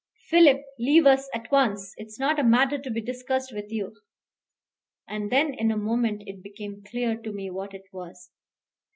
"Philip, leave us at once. It is not a matter to be discussed with you." And then in a moment it became clear to me what it was.